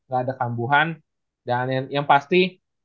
ga ada kambuhan dan yang paling pentingnya ya itu fisha fulamir